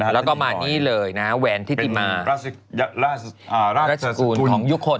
แล้วก็มานี่เลยนะแวนทิติมาราชสกุลของยุคคล